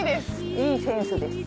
いいセンスです。